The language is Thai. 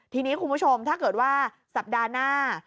ทีนี้คุณผู้ชมถ้าเกิดว่าสัปดาห์หน้า